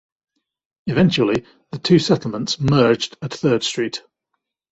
Eventually, the two settlements merged at Third Street.